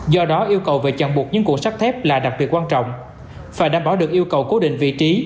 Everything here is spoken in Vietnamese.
do đó yêu cầu về chặn buộc những cuộn sắt thép là đặc biệt quan trọng và đảm bảo được yêu cầu cố định vị trí